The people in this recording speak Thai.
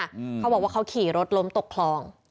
เขาบอกว่าเขาขี่รถล้มตกคลอง